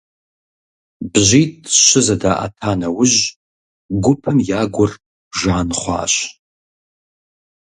БжьитӀ-щы зэдаӀэта нэужь, гупым я гур жан хъуащ.